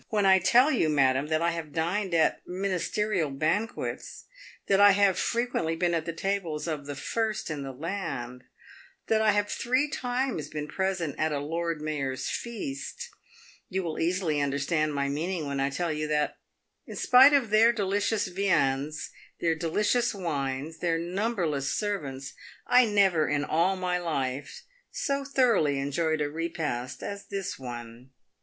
" When I tell you, madam, that I have dined at ministerial banquets, that I have fre quently been at the tables of the first in the land, that I have three times been present at a Lord Mayor's feast, you will easily under stand my meaning when I tell you that, in spite of their delicious viands, their delicious wines, their numberless servants, I never in all my life so thoroughly enjoyed a repast as this one.